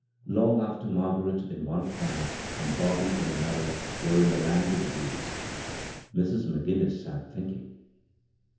Long after Margaret in one comer, and Bobby in another were in the land of dreams, Mrs. McGinnis sat thinking.